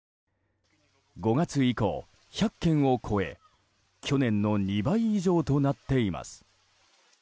５月以降１００件を超え去年の２倍以上となっています。